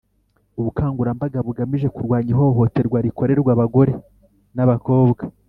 Ubukangurambaga bugamije kurwanya ihohoterwa rikorerwa abagore n abakobwa